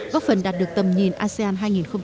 góp phần đạt được tầm nhìn asean hai nghìn hai mươi năm